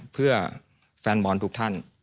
เพื่อแฟนบอลทุกท่าน